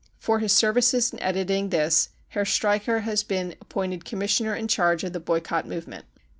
For his services in editing this Herr Streicher has been appointed commissioner in charge of the boycott move ment.